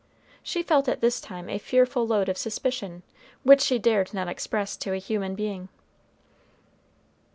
She felt at this time a fearful load of suspicion, which she dared not express to a human being.